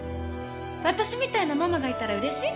私みたいなママがいたらうれしい？